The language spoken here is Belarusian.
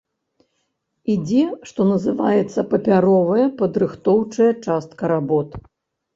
Ідзе, што называецца, папяровая, падрыхтоўчая частка работ.